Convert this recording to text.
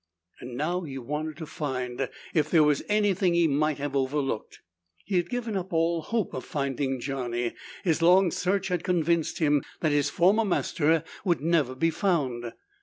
Now he wanted to find if there was anything he might have overlooked. He had given up all hope of finding Johnny; his long search had convinced him that his former master would never be found.